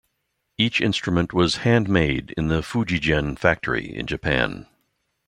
Each instrument was handmade in the FujiGen factory in Japan.